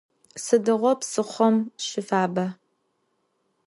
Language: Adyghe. Sıdiğo psıxhom şıfaba?